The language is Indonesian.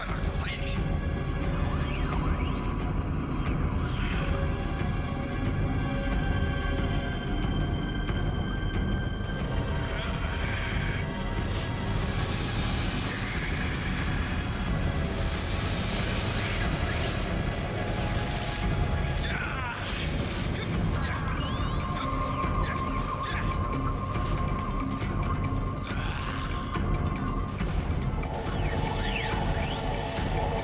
anakku ini benar benar khani dia berteman dengan aku